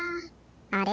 あれ？